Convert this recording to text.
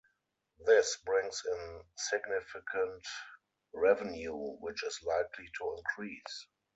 This brings in significant revenue, which is likely to increase.